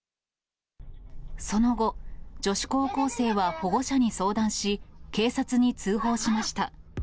その後、女子高校生は保護者に相談し、警察に通報しました。